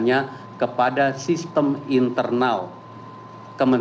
dan juga melaporkan daftar harta kekayaan